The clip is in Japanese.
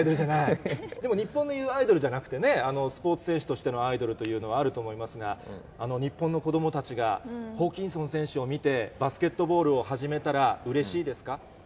でも日本のいうアイドルじゃなくてね、スポーツ選手としてのアイドルというのは、あると思いますが、日本の子どもたちが、ホーキンソン選手を見て、バスケットボールを始めたらうれしいですか？